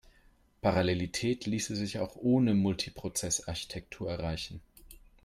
Parallelität ließe sich auch ohne Multiprozess-Architektur erreichen.